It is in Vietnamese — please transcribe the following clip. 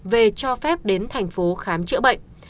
về cho phép đến thành phố khám chữa bệnh